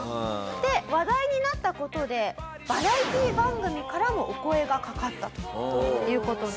で話題になった事でバラエティー番組からもお声がかかったという事なんです。